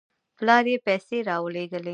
پلار یې پیسې راولېږلې.